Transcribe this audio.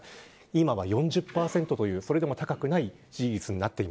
今は４０％というそれでも高くない支持率です。